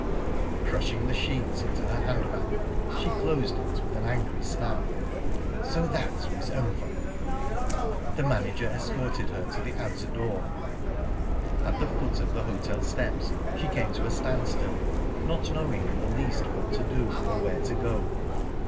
Crushing the sheets into her hand bag, she closed it with an angry snap. So that was over!... The manager escorted her to the outer door. At the foot of the hotel steps she came to a standstill, not knowing in the least what to do, or where to go.